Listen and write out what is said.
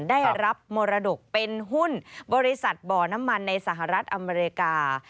ได้รับมรดกเป็นหุ้นบริษัทบ่อน้ำมันในสหรัฐอเมริกา